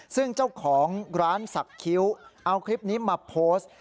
ซึ่งเจ้าของร้านสักคิ้วเอาคลิปนี้มาโพสต์